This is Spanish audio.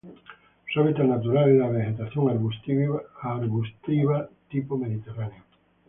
Su hábitat natural es la vegetación arbustiva tipo mediterránea.